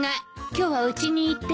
今日はうちにいて。